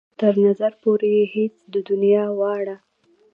تر نظر پورې يې هېڅ ده د دنيا واړه.